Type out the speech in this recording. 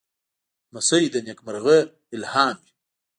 لمسی د نېکمرغۍ الهام وي.